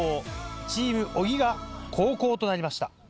チーム小木が後攻となりました。